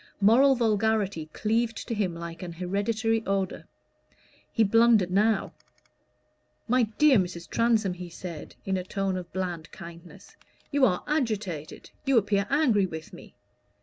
Moral vulgarity cleaved to him like an hereditary odor. He blundered now. "My dear Mrs. Transome," he said, in a tone of bland kindness, "you are agitated you appear angry with me.